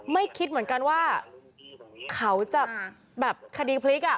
ไม่คิดเหมือนกันว่าเขาจะแบบคดีพลิกอ่ะ